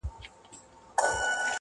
o یار اخیستی همېشه د ښکلو ناز دی,